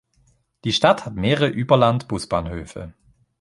Die Stadt hat mehrere Überland-Busbahnhöfe.